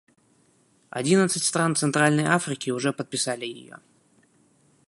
Одиннадцать стран Центральной Африки уже подписали ее.